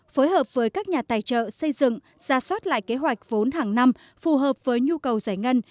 phối hợp với các nhà tài trợ xây dựng ra soát lại kế hoạch vốn hàng năm phù hợp với nhu cầu giải ngân